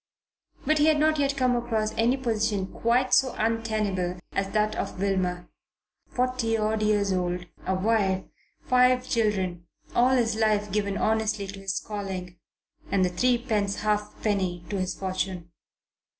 But he had not yet come across any position quite so untenable as that of Wilmer. Forty odd years old, a wife, five children, all his life given honestly to his calling and threepence half penny to his fortune.